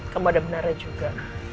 kemudah benarnya juga